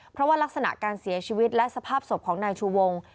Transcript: เพราะว่ารักษณะการเสียชีวิตและสภาพศพของนายชูวง